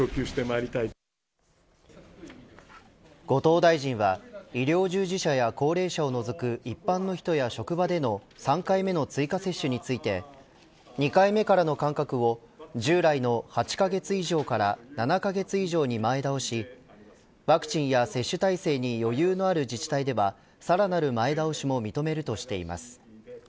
後藤大臣は医療従事者や高齢者を除く一般の人や職場での３回目の追加接種について２回目からの間隔を従来の８カ月以上から７カ月以上に前倒しワクチンや接種体制に余裕のある自治体ではさらなる前倒しも認めるとしています。